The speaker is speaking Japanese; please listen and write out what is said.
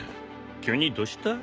急にどうした？